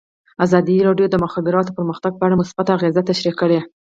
ازادي راډیو د د مخابراتو پرمختګ په اړه مثبت اغېزې تشریح کړي.